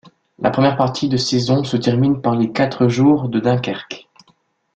La première partie de saison se termine par les Quatre Jours de Dunkerque.